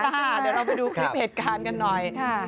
เดี๋ยวเราไปดูคลิปเหตุการณ์กันหน่อย